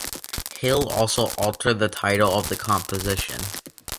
Hill also altered the title of the composition.